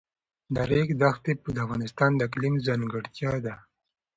د ریګ دښتې د افغانستان د اقلیم ځانګړتیا ده.